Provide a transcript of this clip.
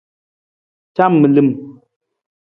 Camilim.